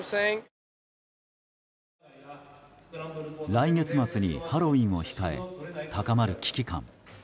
来月末にハロウィーンを控え高まる危機感。